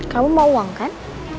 kamu mau uang kan